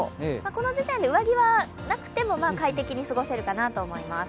この時点で上着はなくても快適に過ごせるかなと思います。